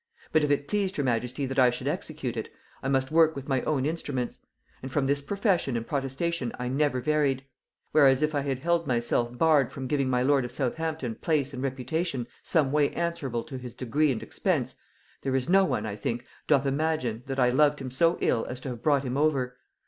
But if it pleased her majesty that I should execute it, I must work with my own instruments. And from this profession and protestation I never varied; whereas if I had held myself barred from giving my lord of Southampton place and reputation some way answerable to his degree and expense, there is no one, I think, doth imagine, that I loved him so ill as to have brought him over.